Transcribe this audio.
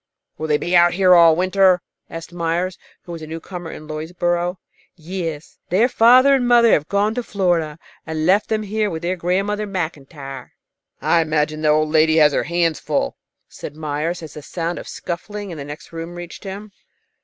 "Will they be out here all winter?" asked Meyers, who was a newcomer in Lloydsborough. "Yes, their father and mother have gone to Florida, and left them here with their grandmother Maclntyre." "I imagine the old lady has her hands full," said Meyers, as a sound of scuffling in the next room reached him.